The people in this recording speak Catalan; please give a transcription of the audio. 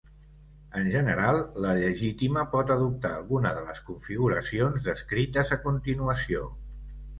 En general, la llegítima pot adoptar alguna de les configuracions descrites a continuació.